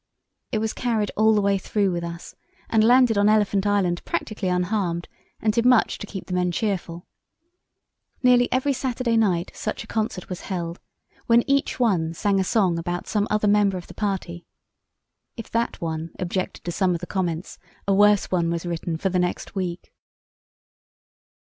It was carried all the way through with us, and landed on Elephant Island practically unharmed, and did much to keep the men cheerful. Nearly every Saturday night such a concert was held, when each one sang a song about some other member of the party. If that other one objected to some of the remarks, a worse one was written for the next week.